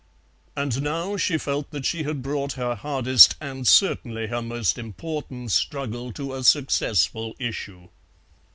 And now she felt that she had brought her hardest and certainly her most important struggle to a successful issue.